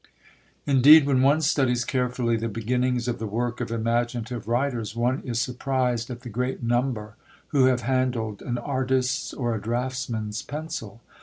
Indeed, when one studies carefully the beginnings of the work of imaginative writers, one is surprised at the great number who have handled an artist's or a draughtsman's pencil.